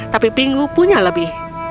tapi pingu punya lebih